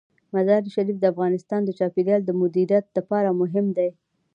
مزارشریف د افغانستان د چاپیریال د مدیریت لپاره مهم دي.